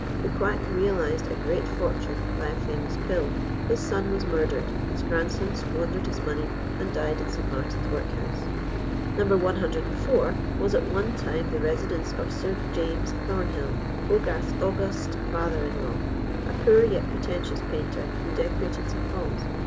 The quack realised a great fortune by a famous pill. His son was murdered; his grandson squandered his money, and died in St. Martin's Workhouse. No. 104 was at one time the residence of Sir James Thornhill, Hogarth's august father in law, a poor yet pretentious painter, who decorated St. Paul's.